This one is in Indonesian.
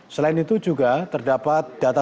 selain itu juga terdapat data